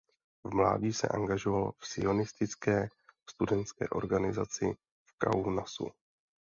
V mládí se angažoval v sionistické studentské organizaci v Kaunasu.